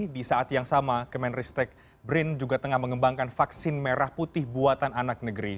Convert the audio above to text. di saat yang sama kemenristek brin juga tengah mengembangkan vaksin merah putih buatan anak negeri